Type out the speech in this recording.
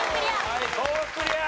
はい東北クリア！